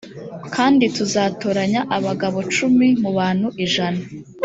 kandi tuzatoranya abagabo cumi mu bantu ijana